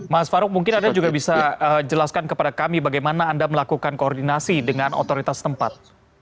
mas farouk mungkin anda juga bisa jelaskan kepada kami bagaimana anda melakukan koordinasi dengan otoritas tempat